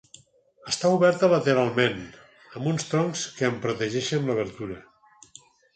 Està oberta lateralment, amb uns troncs que en protegeixen l'obertura.